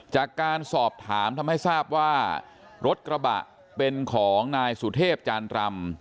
จากการสอบถามทำให้ทราบว่ารถกระบะเป็นของนายสุเทพจานรำ